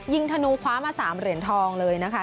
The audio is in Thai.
ธนูคว้ามา๓เหรียญทองเลยนะคะ